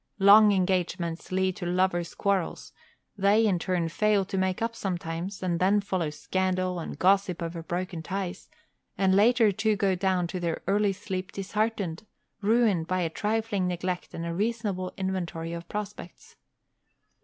Long engagements lead to lovers' quarrels; they, in turn, fail to make up sometimes, and then follow scandal and gossip over broken ties; and later two go down to their early sleep disheartened, ruined by a trifling neglect and a reasonable inventory of prospects.